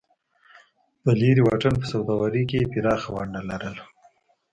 په لرې واټن په سوداګرۍ کې یې پراخه ونډه لرله.